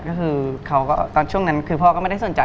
ก็คือช่วงนั้นพ่อก็ไม่ได้สนใจ